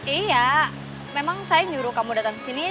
iya memang saya nyuruh kamu datang kesini